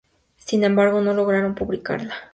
Sin embargo, no lograron publicarla.